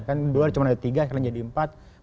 kan dua cuma ada tiga sekarang jadi empat